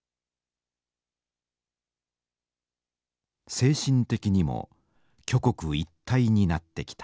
「精神的にも挙国一体になってきた」。